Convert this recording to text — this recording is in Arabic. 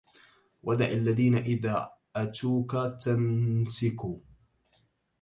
ودع الذين إذا أتوك تنسكوا